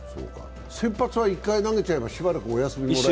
先発は一回投げちゃえばしばらく休みがあるけど。